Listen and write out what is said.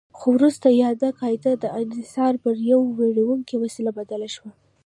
خو وروسته یاده قاعده د انحصار پر یوه ویروونکې وسیله بدله شوه.